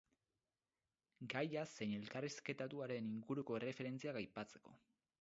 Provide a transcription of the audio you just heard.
Gaia zein elkarrizketatuaren inguruko erreferentziak aipatzeko.